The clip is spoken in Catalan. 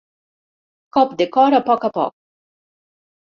Cop de cor a poc a poc.